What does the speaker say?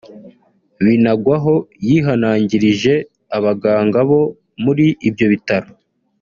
Binagwaho yihanangirije abaganga bo muri ibyo bitaro